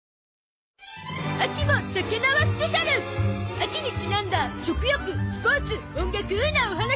秋にちなんだ食欲スポーツ音楽なお話！